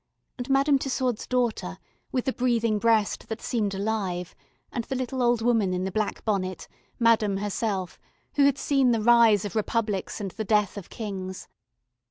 And Madame Tussaud's daughter, with the breathing breast that seemed alive, and the little old woman in the black bonnet, Madame herself, who had seen the rise of Republics and the deaths of kings.